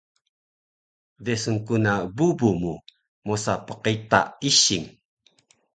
Desun ku na bubu mu mosa pqita ising